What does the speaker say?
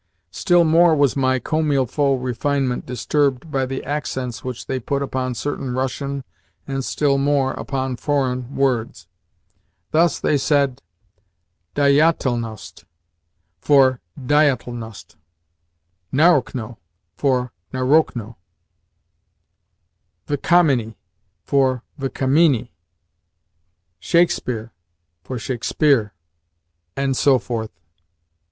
Still more was my "comme il faut" refinement disturbed by the accents which they put upon certain Russian and, still more, upon foreign words. Thus they said dieYATelnost for DIEyatelnost, NARochno for naROChno, v'KAMinie for v'kaMINie, SHAKespeare for ShakesPEARe, and so forth.